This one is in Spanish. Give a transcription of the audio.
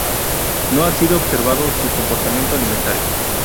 No ha sido observado su comportamiento alimentario.